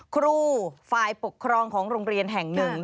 ครูฝ่ายปกครองของโรงเรียนแห่งหนึ่ง